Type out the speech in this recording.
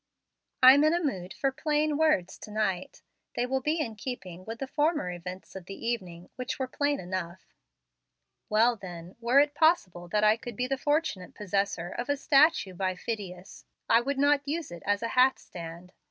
"I'm in a mood for plain words to night. They will be in keeping with the former events of the evening, which were plain enough." "Well, then, were it possible that I could be the fortunate possessor of a statue by Phidias, I would not use it as a hat stand.